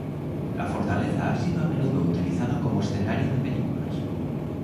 La fortaleza ha sido a menudo utilizado como escenario de películas.